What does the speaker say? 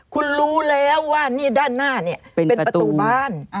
คุณรู้แล้วว่าด้านหน้าเป็นประตูบ้าน